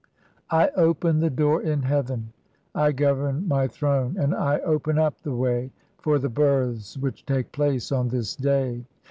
I open the door in heaven, I govern my throne, and I "open up [the way] for the births [which take place] on this day.